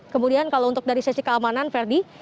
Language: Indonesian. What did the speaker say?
kemudian kalau untuk dari sesi keamanan verdi